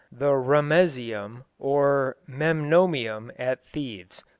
the "Ramesium" or "Memnonium" at Thebes.